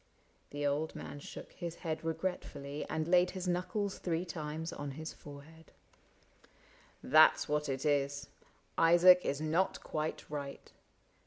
The old man shook his head regretfully And laid his knuckles three times on his fore head. " That 's what it is : Isaac is not quite right.